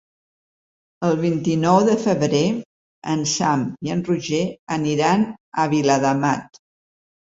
El vint-i-nou de febrer en Sam i en Roger aniran a Viladamat.